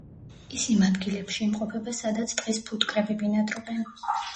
ის იმ ადგილებში იმყოფება, სადაც ტყის ფუტკრები ბინადრობენ.